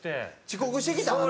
遅刻してきたん？